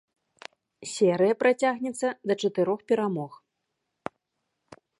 Серыя працягнецца да чатырох перамог.